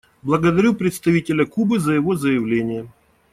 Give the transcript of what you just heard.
Благодарю представителя Кубы за его заявление.